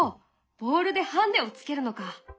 ボールでハンデをつけるのか。